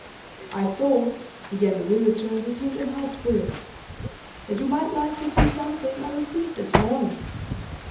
'I thought,' began the visitor, who seemed in high spirits, 'that you might like to see something I received this morning.